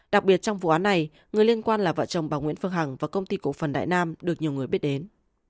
đặc biệt trong vụ án này người liên quan là vợ chồng bà nguyễn phương hằng và công ty cổ phần đại nam được nhiều người biết đến